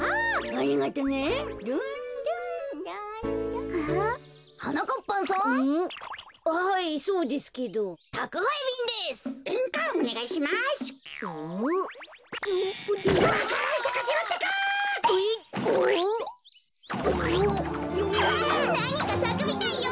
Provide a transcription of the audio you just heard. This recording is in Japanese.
あっなにかさくみたいよ！